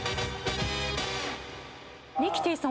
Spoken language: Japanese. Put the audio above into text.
ミキティさん